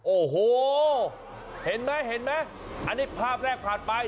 โอ้โหเห็นไหมอันนี้ภาพแรกผ่านไป